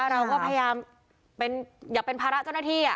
เราก็พยายามอย่าเป็นภาระเจ้าหน้าที่